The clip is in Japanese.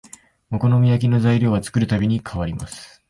お好み焼きの材料は作るたびに変わります